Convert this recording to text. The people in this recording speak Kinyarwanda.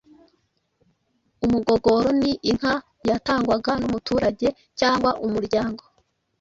Umugogoro ni inka yatangwaga n'umuturage cyangwa umuryango,